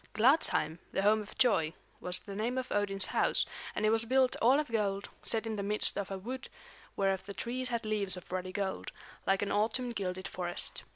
Gladsheim, the home of joy, was the name of Odin's house, and it was built all of gold, set in the midst of a wood whereof the trees had leaves of ruddy gold, like an autumn gilded forest.